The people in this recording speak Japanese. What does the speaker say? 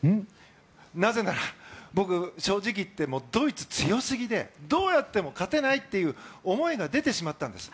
なぜなら、僕は正直言ってドイツ強すぎでどうやっても勝てないという思いが出てしまったんです。